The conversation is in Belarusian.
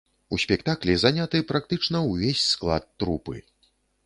У спектаклі заняты практычна ўвесь склад трупы.